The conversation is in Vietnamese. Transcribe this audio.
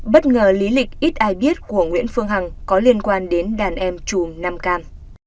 bất ngờ lý lịch ít ai biết của nguyễn phương hằng có liên quan đến đàn em trùm nam cam